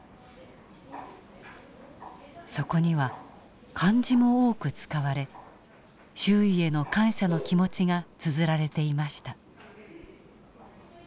そこには漢字も多く使われ周囲への感謝の気持ちがつづられていました。